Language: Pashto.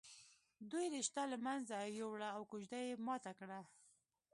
دوی رشته له منځه ويوړه او کوژده یې ماته کړه